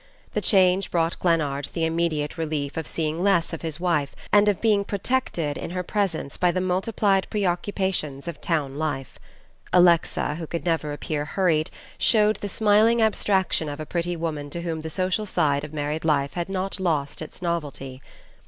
The change brought Glennard the immediate relief of seeing less of his wife, and of being protected, in her presence, by the multiplied preoccupations of town life. Alexa, who could never appear hurried, showed the smiling abstraction of a pretty woman to whom the social side of married life has not lost its novelty.